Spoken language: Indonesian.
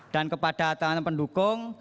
dan kepada teman teman pendukung